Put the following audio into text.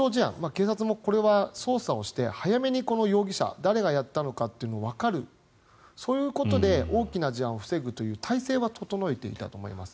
警察もこれは捜査をして早めにこの容疑者誰がやったのかがわかるそういうことで大きな事案を防ぐという態勢は整えていたと思います。